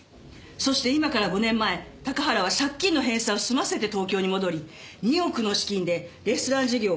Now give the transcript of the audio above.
そして今から５年前高原は借金の返済を済ませて東京に戻り２億の資金でレストラン事業を開始しています。